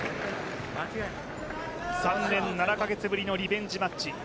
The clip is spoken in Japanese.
３年７カ月ぶりのリベンジマッチ。